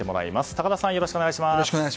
高田さん、よろしくお願いします。